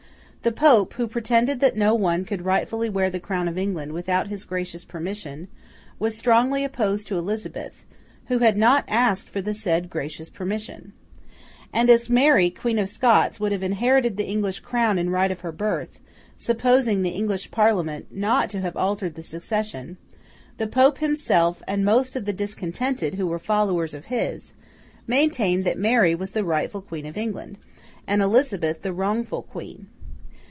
The Pope, who pretended that no one could rightfully wear the crown of England without his gracious permission, was strongly opposed to Elizabeth, who had not asked for the said gracious permission. And as Mary Queen of Scots would have inherited the English crown in right of her birth, supposing the English Parliament not to have altered the succession, the Pope himself, and most of the discontented who were followers of his, maintained that Mary was the rightful Queen of England, and Elizabeth the wrongful Queen.